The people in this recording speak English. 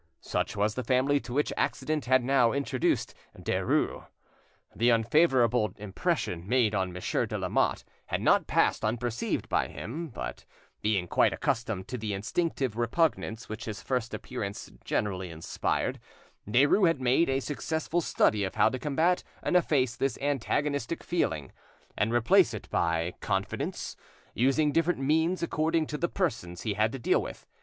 Such was the family to which accident had now introduced Derues. The unfavourable impression made on Monsieur de Lamotte had not passed unperceived by him; but, being quite accustomed to the instinctive repugnance which his first appearance generally inspired, Derues had made a successful study of how to combat and efface this antagonistic feeling, and replace it by confidence, using different means according to the persons he had to deal with.